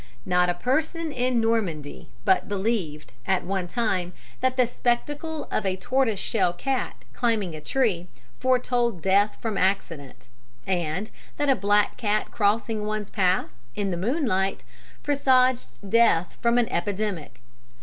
Not a person in Normandy but believed, at one time, that the spectacle of a tortoiseshell cat, climbing a tree, foretold death from accident, and that a black cat crossing one's path, in the moonlight, presaged death from an epidemic.